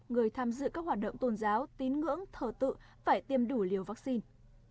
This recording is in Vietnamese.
một trăm linh người tham dự các hoạt động tôn giáo tín ngưỡng thờ tự phải tiêm đủ liều vaccine